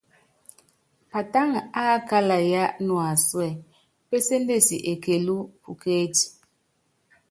Patáŋa ákála yáá nuasúɛ, péséndesi ekelú pukécí.